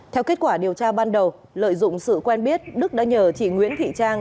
theo kết quả điều tra ban đầu lợi dụng sự quen biết đức đã nhờ chị nguyễn thị trang